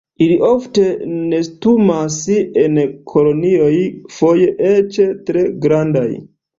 Ili ofte nestumas en kolonioj, foje eĉ tre grandaj.